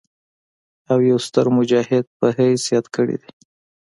او يو ستر مجاهد پۀ حييث ياد کړي دي